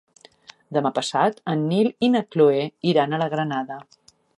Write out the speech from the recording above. Demà passat en Nil i na Cloè iran a la Granada.